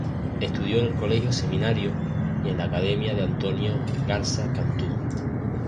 Estudió en el Colegio Seminario y en la Academia de Antonio Garza Cantú.